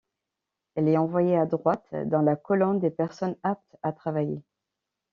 Elle est envoyée à droite, dans la colonne des personnes aptes à travailler.